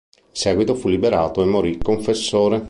In seguito fu liberato e morì confessore.